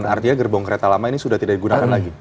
dan artinya gerbong kereta lama ini sudah tidak digunakan lagi